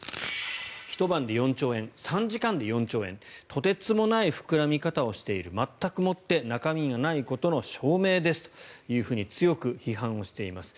ひと晩で４兆円３時間で４兆円とてつもない膨らみ方をしている全くもって、中身がないことの証明ですというふうに強く批判をしています。